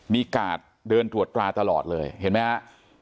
มีกาดเดินตรวจตราตลอดเลยเห็นไหมฮะ